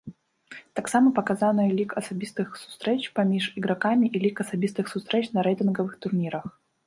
Таксама паказаныя лік асабістых сустрэч паміж ігракамі і лік асабістых сустрэч на рэйтынгавых турнірах.